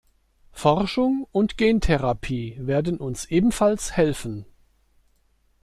Forschung und Gentherapie werden uns ebenfalls helfen.